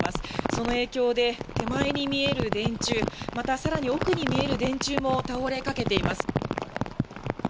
その影響で、手前に見える電柱、またさらに奥に見える電柱も倒れかけています。